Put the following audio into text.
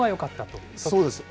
そうです。